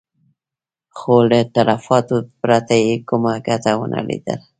خو له تلفاتو پرته يې کومه ګټه ونه ليده.